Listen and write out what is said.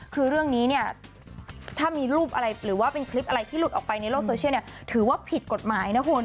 คือเรื่องนี้ถ้ามีรูปอะไรหรือว่าเป็นคลิปอะไรที่ลุดออกไปในโลกนี้ถือว่าผิดกฎหมายนะครับ